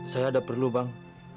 saya ada perlu bang